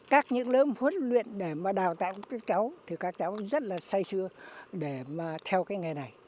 các những lớp huấn luyện để mà đào tạo các cháu thì các cháu rất là say xưa để mà theo cái nghề này